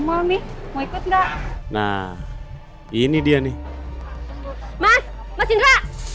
mau nih mau ikut enggak nah ini dia nih mas mas indra